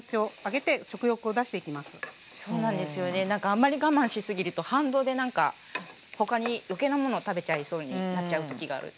あんまり我慢しすぎると反動でなんか他に余計なものを食べちゃいそうになっちゃう時がある。